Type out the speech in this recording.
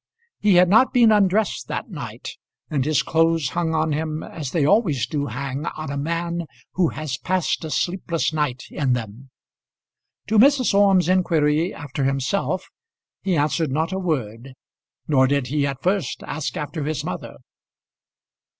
He had not been undressed that night, and his clothes hung on him as they always do hang on a man who has passed a sleepless night in them. To Mrs. Orme's inquiry after himself he answered not a word, nor did he at first ask after his mother.